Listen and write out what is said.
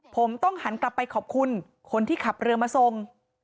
ผมต้องหันกลับไปขอบคุณคนที่ขับเรือมาส่ง